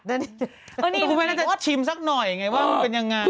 มันอาจจะชิมสักหน่อยว่ามันเป็นยังไง